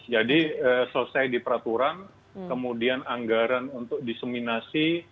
jadi selesai di peraturan kemudian anggaran untuk diseminasi